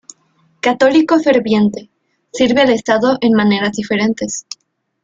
Católico ferviente, sirve al estado en maneras diferentes.